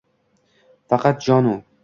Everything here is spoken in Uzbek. Faqat jonu